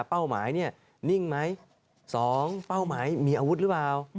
เป้าหมายเนี่ยนิ่งไหม๒เป้าหมายมีอาวุธหรือเปล่า